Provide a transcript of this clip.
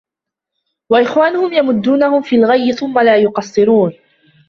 وَإِخْوَانُهُمْ يَمُدُّونَهُمْ فِي الْغَيِّ ثُمَّ لَا يُقْصِرُونَ